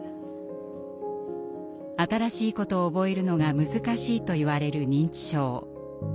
新しいことを覚えるのが難しいといわれる認知症。